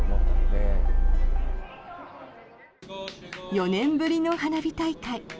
４年ぶりの花火大会。